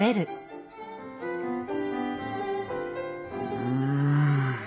うん。